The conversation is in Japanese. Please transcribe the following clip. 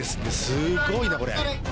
すごいな、これ。